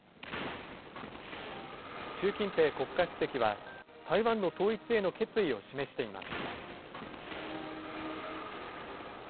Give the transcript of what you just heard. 習近平国家主席は、台湾の統一への決意を示しています。